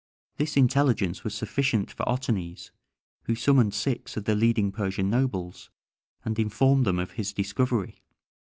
This intelligence was sufficient for Otanes, who summoned six of the leading Persian nobles, and informed them of his discovery.